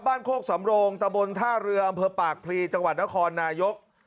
โคกสำโรงตะบนท่าเรืออำเภอปากพลีจังหวัดนครนายก